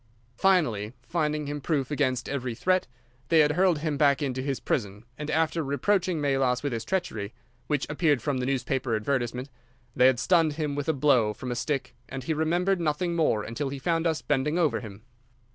Finally, finding him proof against every threat, they had hurled him back into his prison, and after reproaching Melas with his treachery, which appeared from the newspaper advertisement, they had stunned him with a blow from a stick, and he remembered nothing more until he found us bending over him.